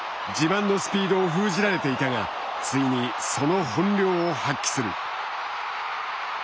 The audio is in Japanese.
自慢のスピードを封じられていたがついにその本領を発揮する。